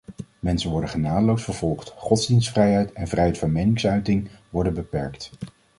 Mensen worden genadeloos vervolgd, godsdienstvrijheid en vrijheid van meningsuiting worden beperkt.